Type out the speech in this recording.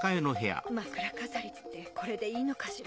枕飾りってこれでいいのかしら？